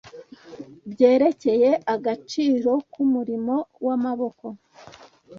byerekeye agaciro k’umurimo w’amaboko